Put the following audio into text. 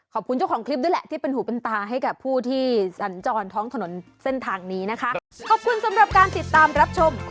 ขอบคุณเจ้าของคลิปด้วยแหละที่เป็นหูเป็นตาให้กับผู้ที่สัญจรท้องถนนเส้นทางนี้นะคะ